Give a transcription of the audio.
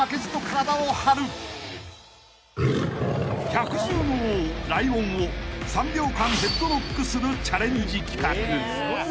［百獣の王ライオンを３秒間ヘッドロックするチャレンジ企画］